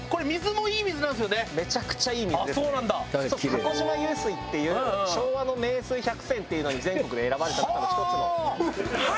箱島湧水っていう昭和の名水百選っていうのに全国で選ばれた中の１つの。